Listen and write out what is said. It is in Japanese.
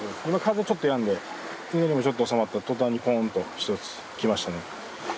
今風ちょっとやんでうねりもちょっと収まったとたんにポンと１つ来ましたね